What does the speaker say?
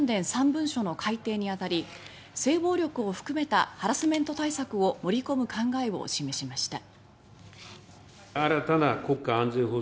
３文書の改定にあたり性暴力を含めたハラスメント対策を盛り込む考えを示しました。